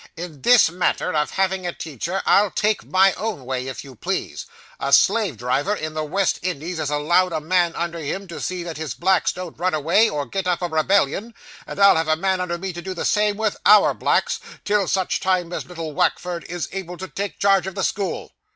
In this matter of having a teacher, I'll take my own way, if you please. A slave driver in the West Indies is allowed a man under him, to see that his blacks don't run away, or get up a rebellion; and I'll have a man under me to do the same with OUR blacks, till such time as little Wackford is able to take charge of the school.